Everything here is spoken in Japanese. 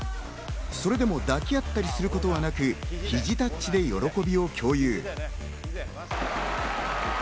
それでも抱き合ったりすることはなく、肘タッチで喜びを共有。